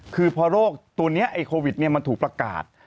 คือพอโรคตัวนี้ไอ้โควิดมันถูกประกาศ